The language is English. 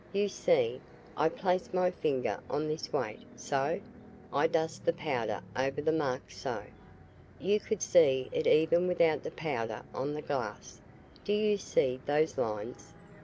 "You see, I place my finger on this weight so. I dust the powder over the mark so. You could see it even without the powder on this glass. Do you see those lines?